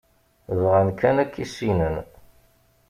Bɣan kan ad k-issinen.